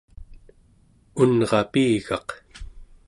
unrapigaq